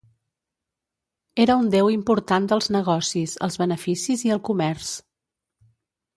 Era un déu important dels negocis, els beneficis i el comerç.